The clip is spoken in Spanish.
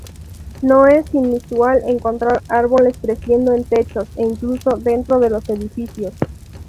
No es inusual encontrar árboles creciendo en techos e incluso dentro de los edificios.